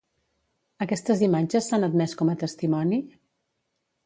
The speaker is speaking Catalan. Aquestes imatges s'han admès com a testimoni?